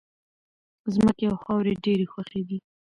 ځمکې او خاورې ډېرې خوښې دي.